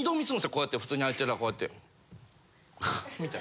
こうやって普通に歩いてたらこうやってみたいな。